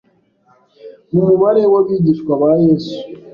Mu mubare w'abigishwa ba Yesu